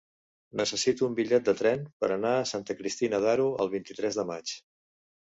Necessito un bitllet de tren per anar a Santa Cristina d'Aro el vint-i-tres de maig.